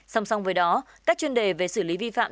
song song với đó các chuyên đề về xử lý vi phạm